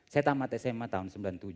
saya tamat sma tahun sembilan puluh tujuh